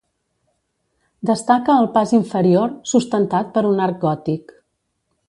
Destaca el pas inferior, sustentat per un arc gòtic.